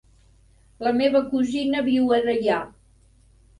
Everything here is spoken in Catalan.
La meva cosina viu a Deià.